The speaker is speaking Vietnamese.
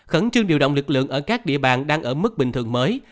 khẩn trương điều động lực lượng ở các địa bàn đang ở mức bình thường mới